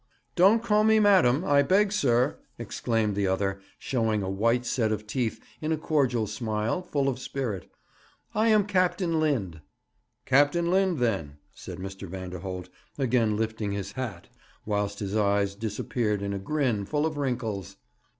'Don't call me "madam," I beg, sir!' exclaimed the other, showing a white set of teeth in a cordial smile, full of spirit. 'I am Captain Lind.' 'Captain Lind, then,' said Mr. Vanderholt, again lifting his hat, whilst his eyes disappeared in a grin full of wrinkles.